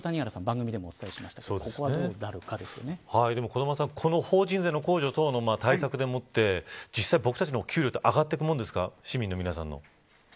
小玉さん、この法人税の控除等の対策で実際、僕たちの給料は上がっていくものですか。